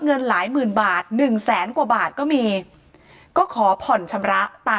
เงินหลายหมื่นบาทหนึ่งแสนกว่าบาทก็มีก็ขอผ่อนชำระตาม